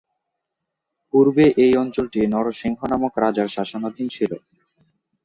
পূর্বে এই অঞ্চলটি নরসিংহ নামক রাজার শাসনাধীন ছিল।